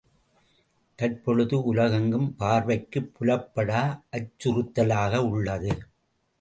தற்பொழுது உலகெங்கும் பார்வைக்குப் புலப்படா அச்சுறுத்தலாக உள்ளது.